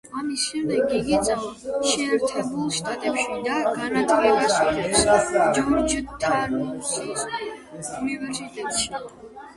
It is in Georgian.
ამის შემდეგ იგი წავა შეერთებულ შტატებში და განათლებას იღებს ჯორჯთაუნის უნივერსიტეტში.